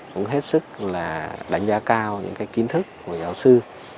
cũng hết sức là đánh giá cao những cái kiến thức của giáo sư